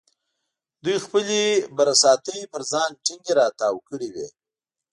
دوی خپلې برساتۍ پر ځان ټینګې را تاو کړې وې.